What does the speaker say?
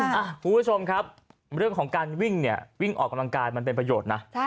คุณผู้ชมครับเรื่องของการวิ่งเนี่ยวิ่งออกกำลังกายมันเป็นประโยชน์นะ